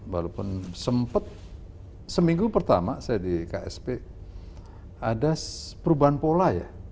walaupun sempat seminggu pertama saya di ksp ada perubahan pola ya